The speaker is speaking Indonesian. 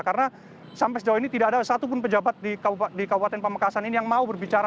karena sampai sejauh ini tidak ada satupun pejabat di kabupaten pamekasan ini yang mau berbicara